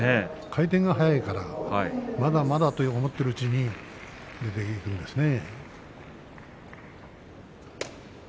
回転が速いからまだまだと思っているうちに出ていくんですね。